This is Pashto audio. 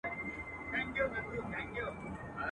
کورونا جدي وګڼئ!.